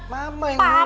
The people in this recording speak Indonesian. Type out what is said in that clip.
mama yang mulai tadi